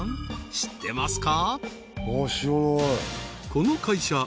知ってますか？